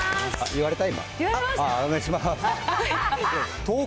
言われた？